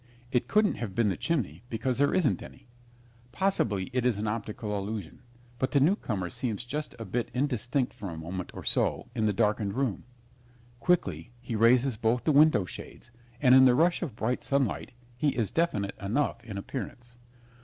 It couldn't have been the chimney, because there isn't any. Possibly it is an optical illusion, but the newcomer seems just a bit indistinct for a moment or so in the darkened room. Quickly he raises both the window shades, and in the rush of bright sunlight he is definite enough in appearance.